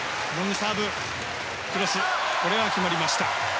これは決まりました。